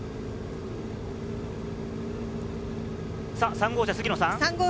３号車、杉野さん。